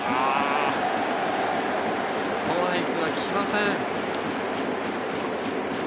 ストライクが来ません。